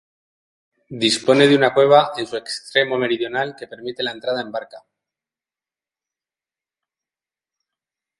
Dispone de una cueva en su extremo meridional que permite la entrada en barca.